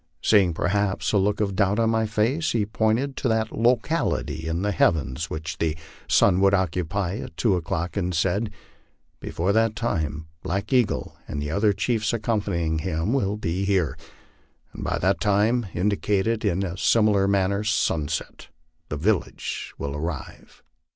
Seeing, perhaps, a look of doubt on my face, he pointed to that locality in the heavens which the sun would occupy at two o'clock, and said, " Before that time Black Eagle and the other chiefs accompanying him will be here ; and by that time," indicating in a similar manner sunset, " the village will arrive."